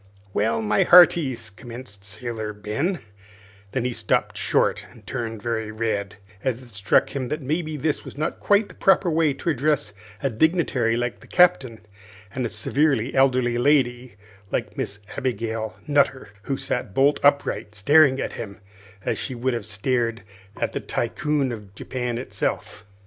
"Well, my hearties," commenced Sailor Ben then he stopped short and turned very red, as it struck him that maybe this was not quite the proper way to address a dignitary like the Captain and a severe elderly lady like Miss Abigail Nutter, who sat bolt upright staring at him as she would have stared at the Tycoon of Japan himself.